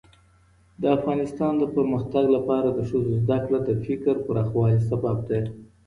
د افغانستان د پرمختګ لپاره د ښځو زدهکړه د فکر پراخوالي سبب ده.